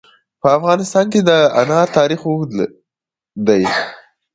په افغانستان کې د انار تاریخ اوږد دی.